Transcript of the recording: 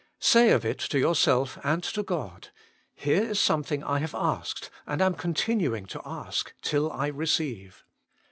Say of it to yourself and to God :" Here is something I have asked, and am continuing to ask till I receive.